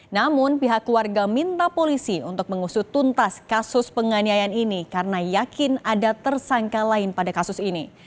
namun pihak keluarga minta polisi untuk mengusut tuntas kasus penganiayaan ini karena yakin ada tersangka lain pada kasus ini